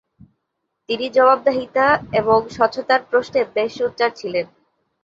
তিনি জবাবদিহিতা এবং স্বচ্ছতার প্রশ্নে বেশ সোচ্চার ছিলেন।